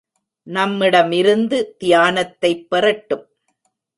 நம்மிடமிருந்து தியானத்தை பெறட்டும்.